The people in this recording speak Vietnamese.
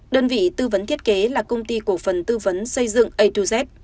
đơn vị tư vấn thiết kế là công ty cổ phần tư vấn xây dựng a hai z